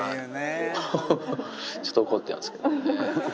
ちょっと怒ってますけどね。